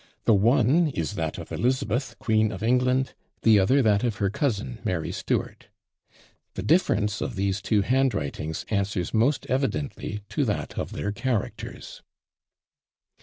The one is that of Elizabeth, queen of England; the other that of her cousin, Mary Stuart. The difference of these two handwritings answers most evidently to that of their characters."